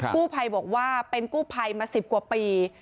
กู้ภัยบอกว่าเป็นกู้ภัยมา๑๐กว่าปี